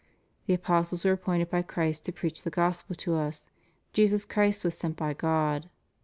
"The apostles were appointed by Christ to preach the Gospel to us. Jesus Christ was sent by God.